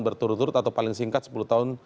berturut turut atau paling singkat sepuluh tahun